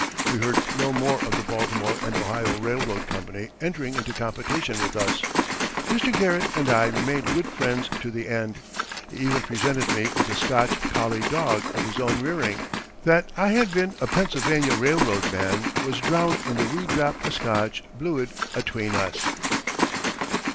We heard no more of the Baltimore and Ohio Railroad Company entering into competition with us. Mr. Garrett and I remained good friends to the end. He even presented me with a Scotch collie dog of his own rearing. That I had been a Pennsylvania Railroad man was drowned in the "wee drap o' Scotch bluid atween us."